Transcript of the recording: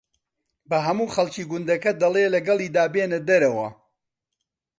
بە ھەموو خەڵکی گوندەکە دەڵێ لەگەڵیدا بێنە دەرەوە